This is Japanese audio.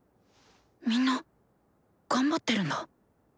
みんな頑張ってるんだ！